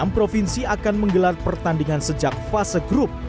enam provinsi akan menggelar pertandingan sejak fase grup